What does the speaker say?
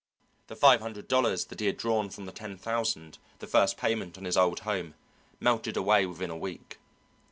The five hundred dollars that he had drawn from the ten thousand, the first payment on his old home, melted away within a week.